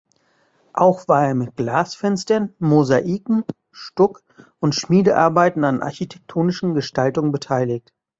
Auch war er mit Glasfenstern, Mosaiken, Stuck- und Schmiedearbeiten an architektonischen Gestaltungen beteiligt.